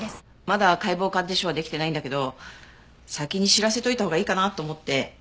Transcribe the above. まだ解剖鑑定書はできてないんだけど先に知らせておいたほうがいいかなと思って。